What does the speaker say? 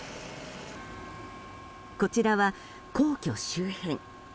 こちらは皇居周辺。